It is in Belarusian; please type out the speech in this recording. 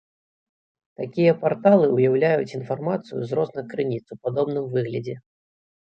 Такія парталы ўяўляюць інфармацыю з розных крыніц у падобным выглядзе.